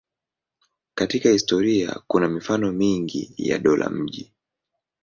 Katika historia kuna mifano mingi ya dola-miji.